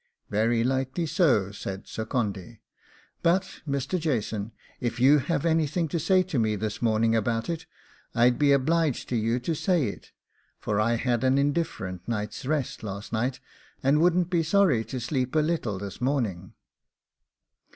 'Very likely so,' said Sir Condy; 'but, Mr. Jason, if you have anything to say to me this morning about it, I'd be obliged to you to say it, for I had an indifferent night's rest last night, and wouldn't be sorry to sleep a little this morning.